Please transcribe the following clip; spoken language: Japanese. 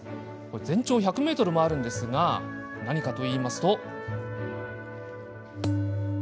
全長は１００ｍもあるんですが実はここ、何かといいますと。